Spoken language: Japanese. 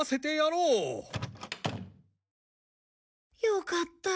よかった。